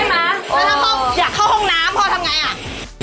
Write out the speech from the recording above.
แล้วถ้าพ่ออยากเข้าห้องน้ำพ่อทำไงอ่ะ